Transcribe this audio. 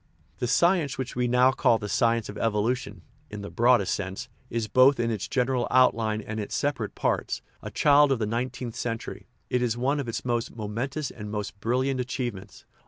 The science which we now call the science of evolu tion (in the broadest sense) is, both in its general out line and in its separate parts, a child of the nineteenth century; it is one of its most momentous and most brilliant achievements.